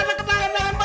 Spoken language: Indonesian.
sepuluh ya nih pak